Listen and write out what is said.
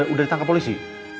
udah ditangkap polisi